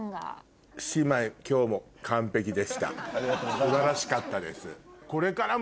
素晴らしかったです。